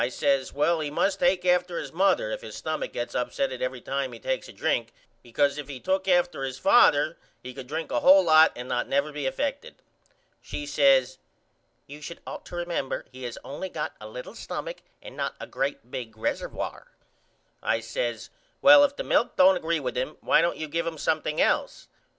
I says Well he must take after his mother if his stumach gets upsetted every time he takes a drink because if he took after his father he could drink a hole lot and not never be effected. She says You should ought to remember he has only got a little stumach and not a great big resservoire. I says Well if the milk don't agree with him why don't you give him something else?